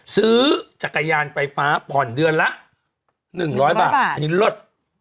ซื้อจักรยานไฟฟ้าผ่อนเดือนละ๑๐๐บาทอันนี้ลด